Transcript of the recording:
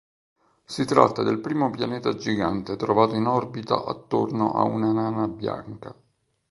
Si tratta del primo pianeta gigante trovato in orbita attorno a una nana bianca.